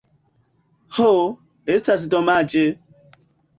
Ho! Estas domaĝe!